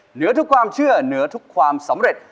เหนือทุกความเชื่อเหนือทุกความสำเร็จ